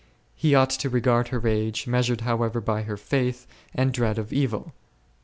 He ought to regard her age, measured however by her faith and dread of evil.